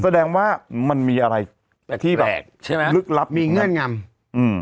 แสดงว่ามันมีอะไรแปลกแปลกที่แบบลึกลับใช่ไหมมีเงื่อนงำอืม